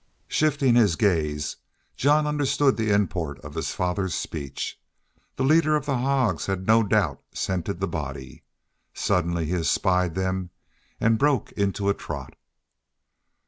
Shifting his gaze, Jean understood the import of his father's speech. The leader of the hogs had no doubt scented the bodies. Suddenly he espied them and broke into a trot.